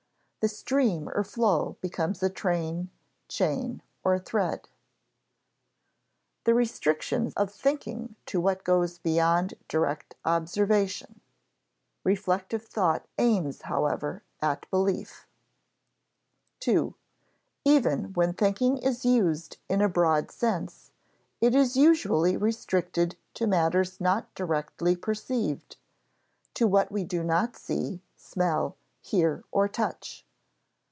The stream or flow becomes a train, chain, or thread. [Sidenote: The restriction of thinking to what goes beyond direct observation] [Sidenote: Reflective thought aims, however, at belief] II. Even when thinking is used in a broad sense, it is usually restricted to matters not directly perceived: to what we do not see, smell, hear, or touch.